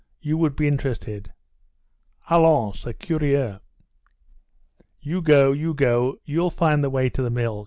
You would be interested." "Allons, c'est curieux." "You go, you go, you'll find the way to the mill!"